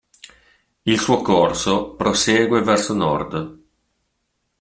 Il suo corso prosegue verso nord.